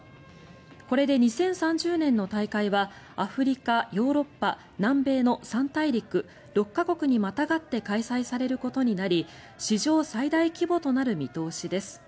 これで２０３０年の大会はアフリカ、ヨーロッパ、南米の３大陸６か国にまたがって開催されることになり史上最大規模となる見通しです。